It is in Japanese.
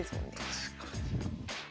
確かに。